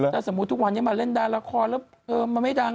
ไปบ่งกับเขาใครบ้าง